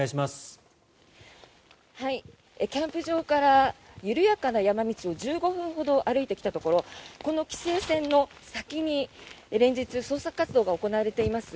キャンプ場から緩やかな山道を１５分ほど歩いてきたところこの規制線の先に連日、捜索活動が行われています